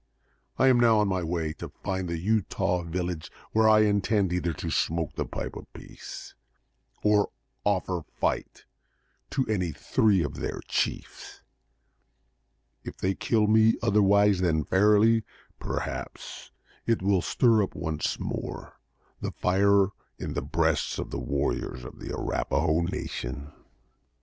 I am now on my way to find the Utah village, where I intend, either to smoke the pipe of peace, or offer fight to any three of their chiefs. If they kill me otherwise than fairly, perhaps it will stir up once more the fire in the breast of the warriors of the Arrapahoe nation."